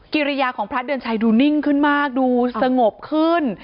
กิริยาของพระเดือนชัยดูนิ่งขึ้นมากดูสงบขึ้น